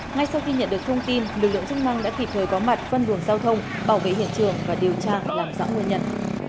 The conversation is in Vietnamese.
ngay sau khi nhận được thông tin lực lượng chức năng đã kịp thời có mặt phân luồng giao thông bảo vệ hiện trường và điều tra làm rõ nguyên nhân